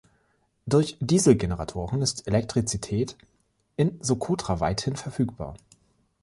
Durch Dieselgeneratoren ist Elektrizität in Sokotra weithin verfügbar.